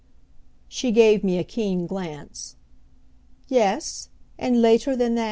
She gave me a keen glance. "Yes, and later than that?"